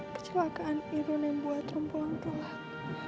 kecelakaan rum yang buat rumpun tua